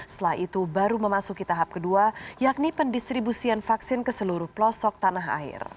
setelah itu baru memasuki tahap kedua yakni pendistribusian vaksin ke seluruh pelosok tanah air